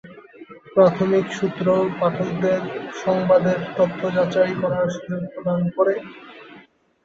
প্রাথমিক সূত্র পাঠকদের সংবাদের তথ্য যাচাই করার সুযোগ প্রদান করে।